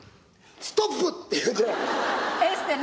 「ストップ！」って言うて。